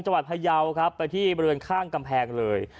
จังหวัดพยาวไปที่บริเวณข้างกำแพงเลย